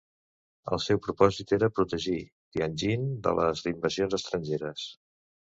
El seu propòsit era protegir Tianjin de les invasions estrangeres.